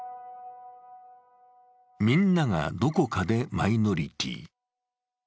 みんながどこかでマイノリティー。